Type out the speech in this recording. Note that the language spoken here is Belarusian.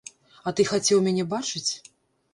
А ты хацеў мяне бачыць?